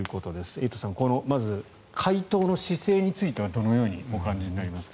エイトさんまず回答の姿勢についてはどのようにお感じになりますか。